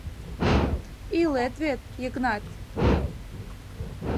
— Илет вет, Йыгнат!